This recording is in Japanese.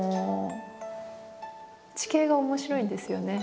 地形が面白いんですよね。